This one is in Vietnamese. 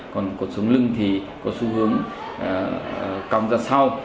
còn cột sống lưng thì có xu hướng cong ra sau